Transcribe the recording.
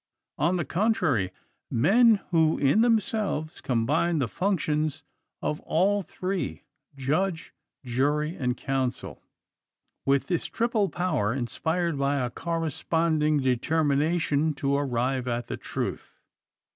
On the contrary, men who, in themselves, combine the functions of all three judge, jury, and counsel with this triple power, inspired by a corresponding determination to arrive at the truth.